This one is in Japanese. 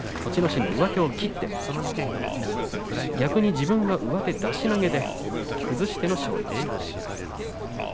心の上手を切って逆に自分が上手出し投げで崩しての勝利でした。